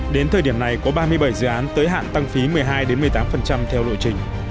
đến thời điểm này có ba mươi bảy dự án tới hạn tăng phí một mươi hai một mươi tám theo lộ trình